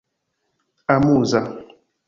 amuza